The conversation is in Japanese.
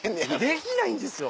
できないんですよ！